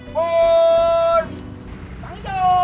for canggih yo